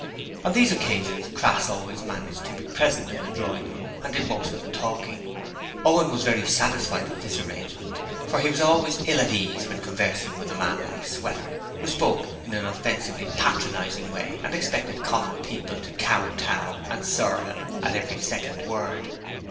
On these occasions Crass always managed to be present in the drawing room and did most of the talking. Owen was very satisfied with this arrangement, for he was always ill at ease when conversing with a man like Sweater, who spoke in an offensively patronizing way and expected common people to kowtow to and 'Sir' him at every second word.